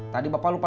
tadi bapak lupa